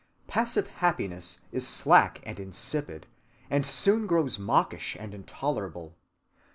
Passive happiness is slack and insipid, and soon grows mawkish and intolerable.